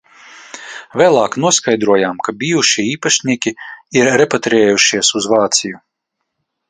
Vēlāk noskaidrojām ka bijušie īpašnieki ir repatriējušies uz Vāciju.